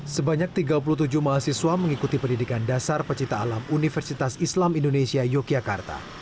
sebanyak tiga puluh tujuh mahasiswa mengikuti pendidikan dasar pecinta alam universitas islam indonesia yogyakarta